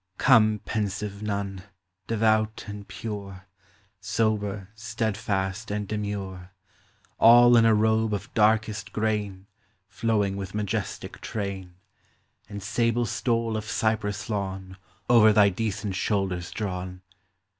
Come, pensive nun, devout and pure, Sober, steadfast, and demure, All in a robe of darkest grain Flowing with majestic train, And sable stole of cyprus lawn Over thy decent shoulders drawn.